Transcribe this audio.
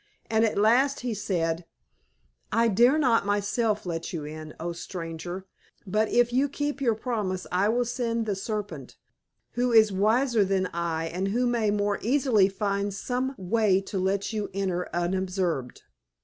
And at last he said, "I dare not myself let you in, O stranger, but if you keep your promise I will send the Serpent, who is wiser than I and who may more easily find some way to let you enter unobserved."